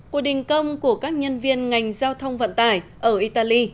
cuộc đình công của các nhân viên ngành giao thông vận tải ở italy